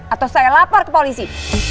atau saya lapor ke polisi